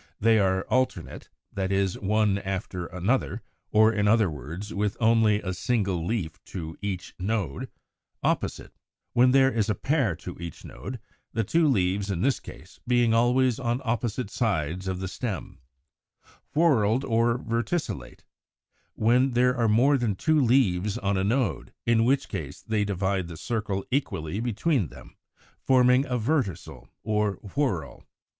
They are Alternate (Fig. 181), that is, one after another, or in other words, with only a single leaf to each node; Opposite (Fig. 182), when there is a pair to each node, the two leaves in this case being always on opposite sides of the stem; Whorled or Verticillate (Fig. 183) when there are more than two leaves on a node, in which case they divide the circle equally between them, forming a Verticel or whorl.